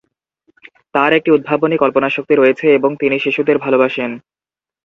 তার একটি উদ্ভাবনী কল্পনাশক্তি রয়েছে এবং তিনি শিশুদের ভালবাসেন।